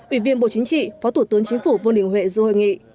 ủy viên bộ chính trị phó thủ tướng chính phủ vương đình huệ dư hội nghị